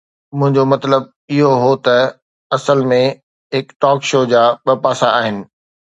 منهنجو مطلب اهو هو ته اصل ۾ هڪ ٽاڪ شو جا ٻه پاسا آهن.